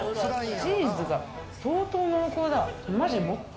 チーズが相当濃厚だわ。